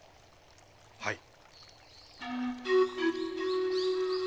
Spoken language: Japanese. はい。